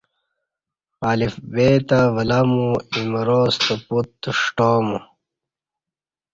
الف بے تہ ولامو ایمراستہ پوتہ ݜٹامو